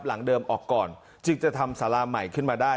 หลังเดิมออกก่อนจึงจะทำสาราใหม่ขึ้นมาได้